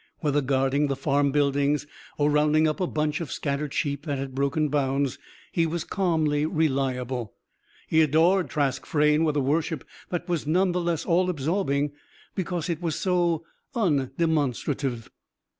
Whether guarding the farm buildings or rounding up a bunch of scattered sheep that had broken bounds, he was calmly reliable. He adored Trask Frayne with a worship that was none the less all absorbing because it was so undemonstrative.